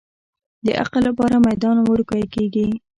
د عقل لپاره میدان وړوکی کېږي.